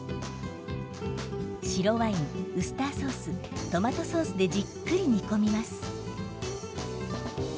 白ワインウスターソーストマトソースでじっくり煮込みます。